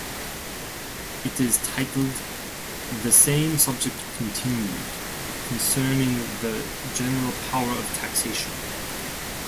It is titled, The Same Subject Continued: Concerning the General Power of Taxation.